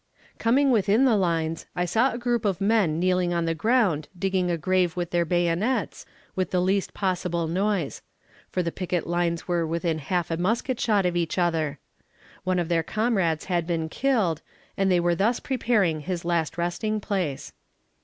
Coming within the lines, I saw a group of men kneeling on the ground digging a grave with their bayonets, with the least possible noise; for the picket lines were within half musket shot of each other. One of their comrades had been killed, and they were thus preparing his last resting place.